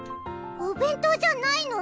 お弁当じゃないの？